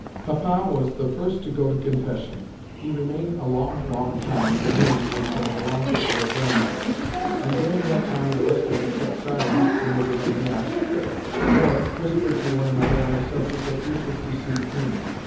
Papa was the first to go to confession. He remained a long, long time in the room which had belonged to our grandmother, and during that time the rest of us kept silence in the divannaia, or only whispered to one another on the subject of who should precede whom.